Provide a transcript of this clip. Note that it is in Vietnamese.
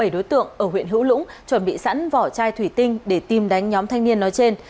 bảy đối tượng ở huyện hữu lũng chuẩn bị sẵn vỏ chai thủy tinh để tìm đánh nhóm thanh niên nói trên